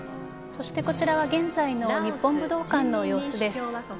そして、こちらは現在の日本武道館の様子です。